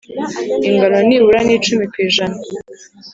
ingano nibura n icumi ku ijana